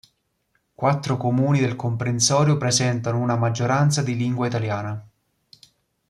Quattro comuni del comprensorio presentano una maggioranza di lingua italiana.